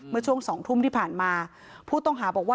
เมื่อช่วง๒ทุ่มที่ผ่านมาผู้ต้องหาบอกว่า